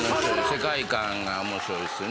世界観が面白いですよね。